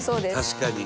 確かに。